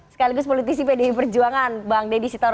sekaligus politisi pdi perjuangan bang deddy sitaru